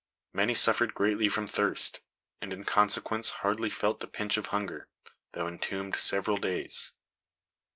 Many suffered greatly from thirst, and in consequence hardly felt the pinch of hunger, though entombed several days.